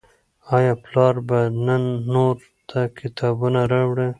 آیا پلار به نن کور ته کتابونه راوړي؟